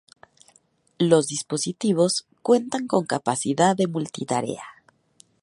Los dispositivos cuentan con capacidad de multi-tarea.